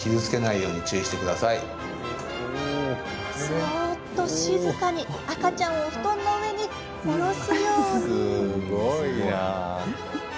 そっと静かに赤ちゃんを布団の上に下ろすように。